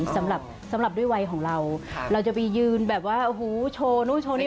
สำหรับด้วยวัยของเราเราจะไปยืนแบบว่าโชว์นู่นโชว์นี่